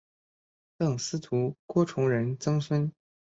赠司徒郭崇仁曾孙。